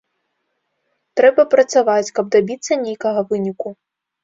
Трэба працаваць, каб дабіцца нейкага выніку.